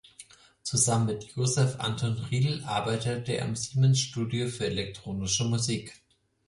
Zusammen mit Joseph Anton Riedl arbeitete er am Siemens-Studio für elektronische Musik.